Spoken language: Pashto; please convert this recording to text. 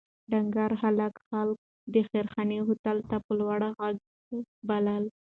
ډنکر هلک خلک د خیرخانې هوټل ته په لوړ غږ بلل.